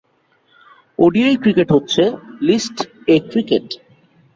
ODI cricket হচ্ছে List A cricket.